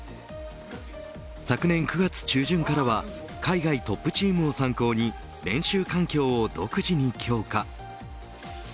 昨年９月中旬からは海外トップチームを参考に練習環境を独自に強化。